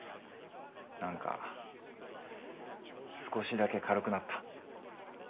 何か少しだけ軽くなった。